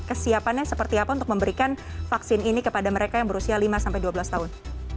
kesiapannya seperti apa untuk memberikan vaksin ini kepada mereka yang berusia lima sampai dua belas tahun